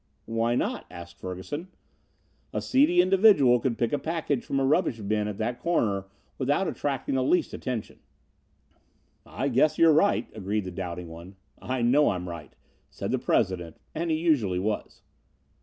"Why not?" asked Ferguson. "A seedy individual could pick a package from a rubbish bin at that corner without attracting the least attention." "I guess you're right," agreed the doubting one. "I know I'm right," said the president. And he usually was.